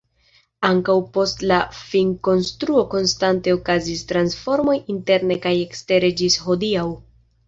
Ankaŭ post la finkonstruo konstante okazis transformoj interne kaj ekstere ĝis hodiaŭ.